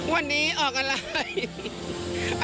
วันนี้ออกก่อนละ